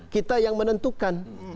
kita yang menentukan